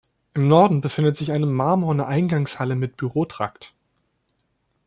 Im Norden befindet sich eine marmorne Eingangshalle mit Bürotrakt.